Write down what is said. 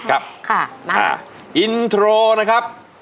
ครับค่ะอินโทรนะครับ